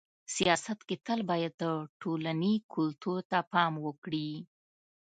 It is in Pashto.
سیاست کي تل باید د ټولني کلتور ته پام وکړي.